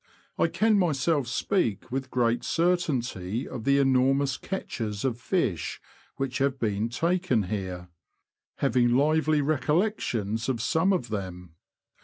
I can myself speak with great certainty of the enormous catches of fish which have been taken here, having lively recollections of some of them.